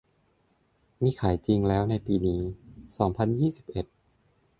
และมีขายจริงแล้วในปี สองพันยี่สิบเอ็ด